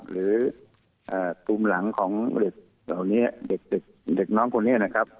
หรือปุ่มหลังของเด็กน้องคนนี้นะครับ